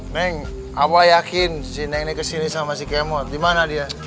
neng abah yakin si neng ini kesini sama si kemut gimana dia